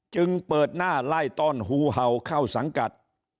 จึงเปิดหน้าไล่ต้อนหูเห่าเข้าสังกัด